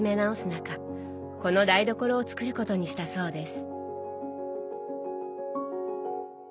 中この台所を作ることにしたそうです。